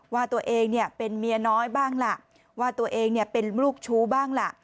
ว่าตัวเองเป็นเมียน้อยบ้างล่ะว่าตัวเองเป็นลูกชู้บ้างล่ะ